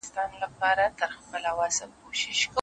چي پر سر باندي یې واوري اوروي لمن ګلونه